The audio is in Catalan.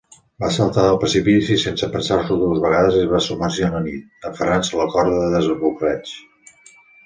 Va saltar del precipici sense pensar-s'ho dues vegades i es va submergir en la nit, aferrant-se a la corda de desbloqueig.